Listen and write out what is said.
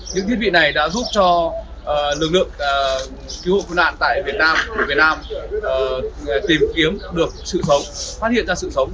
những thiết bị này đã giúp cho lực lượng cứu nạn hộ tại việt nam tìm kiếm được sự sống phát hiện ra sự sống